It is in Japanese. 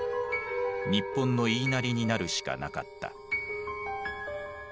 日本の言いなりになるしかなかった。